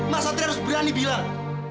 mas satria harus berani bilang